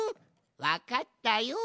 わかったよ。